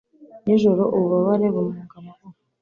nijoro, ububabare bumunga amagufa